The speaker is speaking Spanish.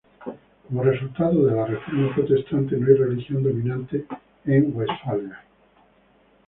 Como resultado de la reforma protestante, no hay religión dominante en Westfalia.